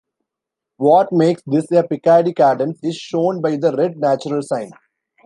What makes this a Picardy cadence is shown by the red natural sign.